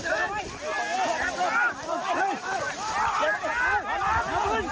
เอาออกใหม่